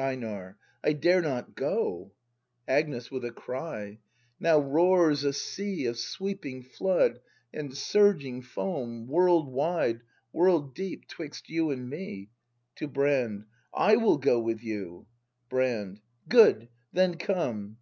EiNAR. I dare not go ! Agnes. [With a cry.] Now roars a sea Of sweeping flood and surging foam World wide, world deep, 'twixt you and me [To Brand.] I will go with you ! Brand. Good; then come!